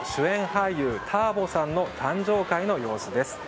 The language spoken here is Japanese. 俳優ターボさんの誕生会の様子です。